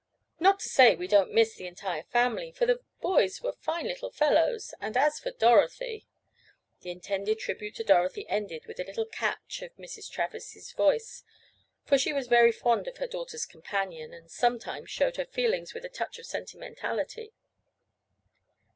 "Not to say we don't miss the entire family, for the boys were fine little fellows, and, as for Dorothy—" The intended tribute to Dorothy ended with a little catch in Mrs. Travers's voice, for she was very fond of her daughter's companion, and sometimes showed her feelings with a touch of sentimentality.